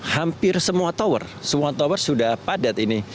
hampir semua tower semua tower sudah padat ini